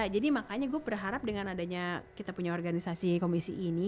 jadi makanya gue berharap dengan adanya kita punya organisasi komisi ini